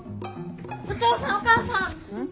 お父さんお母さん！